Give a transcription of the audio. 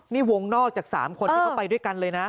นี่วงนอกจากสามคนเข้าไปด้วยกันเลยนะ